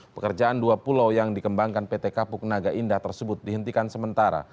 pekerjaan dua pulau yang dikembangkan pt kapuk naga indah tersebut dihentikan sementara